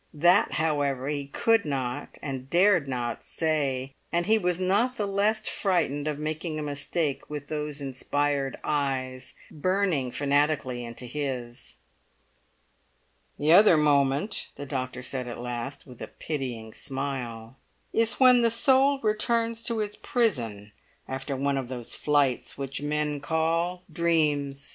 That, however, he could not and dared not say; and he was not the less frightened of making a mistake with those inspired eyes burning fanatically into his. "The other moment," the doctor said at last, with a pitying smile, "is when the soul returns to its prison after one of those flights which men call dreams.